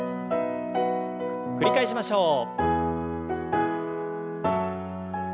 繰り返しましょう。